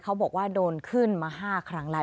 เขาบอกว่าโดนขึ้นมา๕ครั้งแล้ว